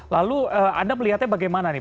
lalu anda melihatnya bagaimana nih